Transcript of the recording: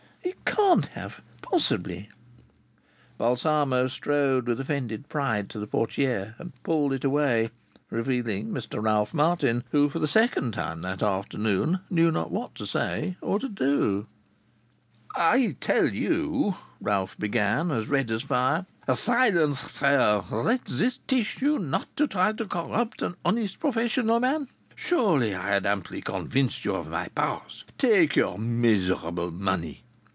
"He can't have possibly " Balsamo strode with offended pride to the portière, and pulled it away, revealing Mr Ralph Martin, who for the second time that afternoon knew not what to say or to do. "I tell you " Ralph began, as red as fire. "Silence, sir! Let this teach you not to try to corrupt an honest professional man! Surely I had amply convinced you of my powers! Take your miserable money!"